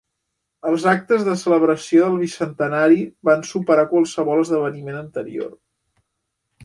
Els actes de celebració del Bicentenari van superar qualsevol esdeveniment anterior.